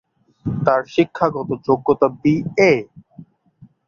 তার শিক্ষাগত যোগ্যতা বিএ।